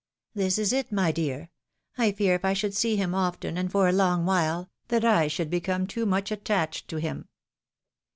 ''" This is it, my dear : I fear if I should see him often, and for a long while, that I should become too much attached to him."